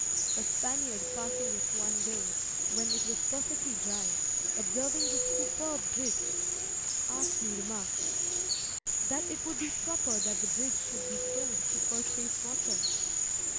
A Spaniard passing it one day, when it was perfectly dry, observing this superb bridge, archly remarked, "That it would be proper that the bridge should be sold to purchase water."